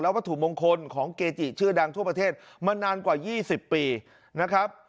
วัตถุมงคลของเกจิชื่อดังทั่วประเทศมานานกว่า๒๐ปีนะครับ